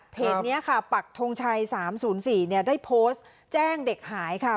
เพจเนี้ยค่ะปักทงชัยสามศูนย์สี่เนี้ยได้โพสต์แจ้งเด็กหายค่ะ